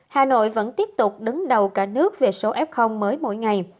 hà nội vẫn tiếp tục đứng đầu cả nước về số f mới mỗi ngày